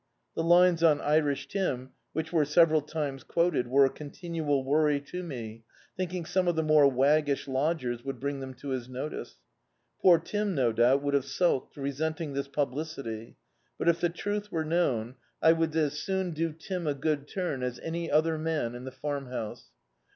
The lines on Irish Tim, which were several times quoted, were a continual worry to me, thinking some of the more waggish lodgers would bring them to his notice. Poor Tim, no doubt, would have sulked, resenting this publicity, but, if the truth were known, I would [3^7] Dictzed by Google The Autobiography of a Super Tramp as soon do Tim a good turn as any other man in die Farmhouse.